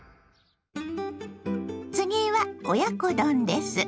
次は親子丼です。